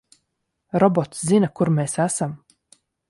Robots zina, kur mēs esam.